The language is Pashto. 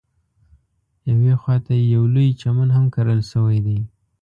یوې خواته یې یو لوی چمن هم کرل شوی دی.